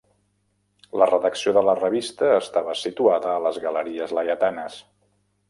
La redacció de la revista estava situada a les Galeries Laietanes.